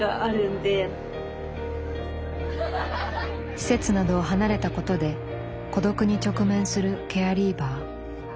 施設などを離れたことで孤独に直面するケアリーバー。